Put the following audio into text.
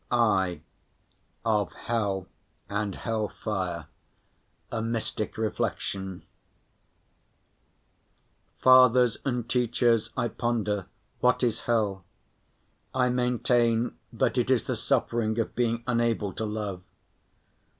(i) Of Hell and Hell Fire, a Mystic Reflection Fathers and teachers, I ponder, "What is hell?" I maintain that it is the suffering of being unable to love.